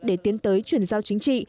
để tiến tới chuyển giao chính trị